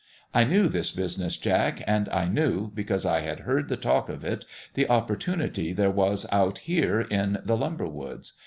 I knew this business, Jack, and I knew, because I had heard the talk of it, the opportunity there was out here in the lumber woods.